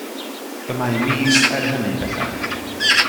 Y mae mis er hynny bellach.